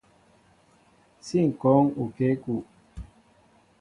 Si ŋkɔɔŋ okěkúw.